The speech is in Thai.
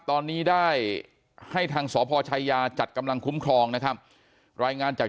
ตอนนี้ได้ให้ทางสพชายาจัดกำลังคุ้มครองนะครับรายงานจาก